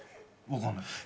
分かんないです。